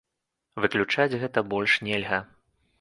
Выключаць гэтага больш нельга.